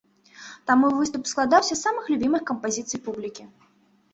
Таму выступ складаўся з самых любімых кампазіцый публікі.